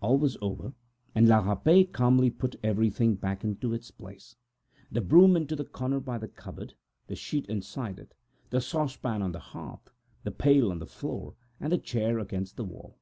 All was over, and La Rapet calmly put everything back into its place; the broom into the corner by the cupboard, the sheet inside it, the pot on to the hearth, the pail on to the floor, and the chair against the wall.